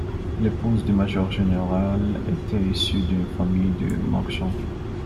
L'épouse du major-général était issue d'une famille de marchands.